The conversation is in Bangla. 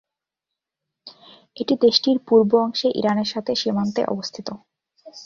এটি দেশটির পূর্ব অংশে ইরানের সাথে সীমান্তে অবস্থিত।